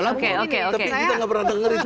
tapi kita tidak pernah dengerin